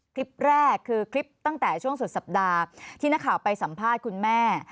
คลิปแรกคือคลิปตั้งแต่ช่วงสุดสัปดาห์ที่นักข่าวไปสัมภาษณ์คุณแม่